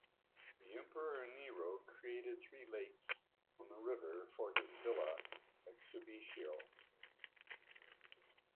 The emperor Nero created three lakes on the river for his villa at Subiaco.